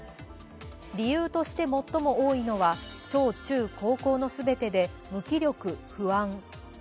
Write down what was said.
理由として最も多いのは、小・中・高校の全てで無気力・不安。